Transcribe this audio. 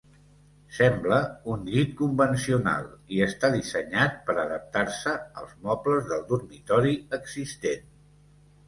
Sembla un llit convencional i està dissenyat per adaptar-se als mobles del dormitori existent.